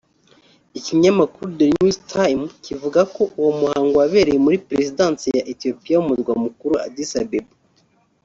Ikinyamakuru The New Times kivuga ko uwo muhango wabereye muri Perezidansi ya Ethiopia mu murwa mukuru Addis Abbeba